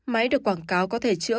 máy được quảng cáo có thể chữa